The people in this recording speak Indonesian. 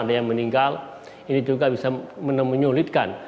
ada yang meninggal ini juga bisa menyulitkan